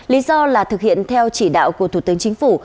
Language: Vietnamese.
lý do là thực hiện theo chỉ đạo của thủ tướng chính phủ